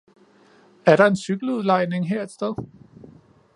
Er der en cykeludlejning her et sted?